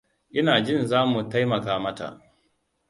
Ina jin za mu taimaka mata.